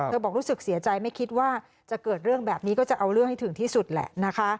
บอกรู้สึกเสียใจไม่คิดว่าจะเกิดเรื่องแบบนี้ก็จะเอาเรื่องให้ถึงที่สุดแหละนะคะ